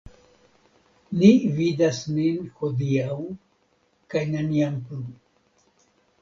Ni vidas nin hodiaŭ kaj neniam plu.